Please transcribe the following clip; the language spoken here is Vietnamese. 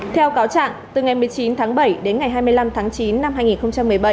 theo cáo trạng từ ngày một mươi chín tháng bảy đến ngày hai mươi năm tháng chín năm hai nghìn một mươi bảy